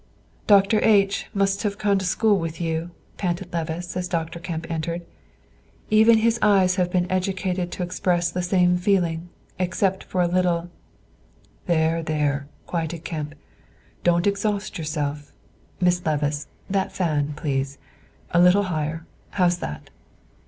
"Dr. H must have gone to school with you," panted Levice, as Dr. Kemp entered; "even his eyes have been educated to express the same feeling; except for a little " "There, there," quieted Kemp; "don't exhaust yourself. Miss Levice, that fan, please. A little higher? How's that?"